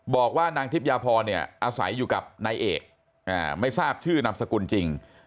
บอกว่านางทิพยาพรเนี่ยอาศัยอยู่กับนายเอกไม่ทราบชื่อนามสกุลจริง